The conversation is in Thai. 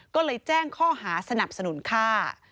ก็เลยแจ้งข้อหาสนับสนุนฆ่า